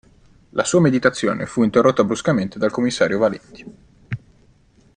La sua meditazione fu interrotta bruscamente dal commissario Valenti.